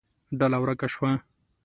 ډله ورکه شوه.